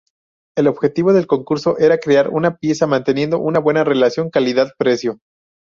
El objetivo del concurso era crear una pieza manteniendo una buena relación calidad precio.